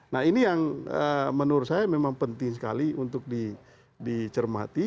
nah ini yang menurut saya memang penting sekali untuk dicermati